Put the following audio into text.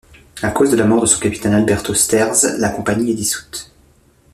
À cause de la mort de son capitaine Alberto Sterz, la compagnie est dissoute.